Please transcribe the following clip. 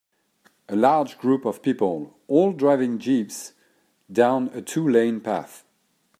A large group of people all driving Jeeps down a two lane path.